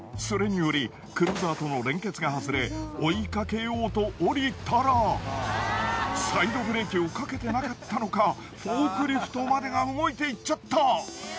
それによりクルーザーとの連結が外れ追いかけようと降りたらサイドブレーキをかけてなかったのかフォークリフトまでが動いていっちゃった。